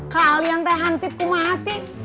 kalian teh hansipku masih